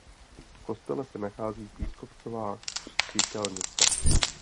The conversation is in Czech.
V kostele se nachází pískovcová křtitelnice.